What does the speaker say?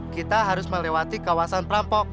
kita harus melewati kawasan perampok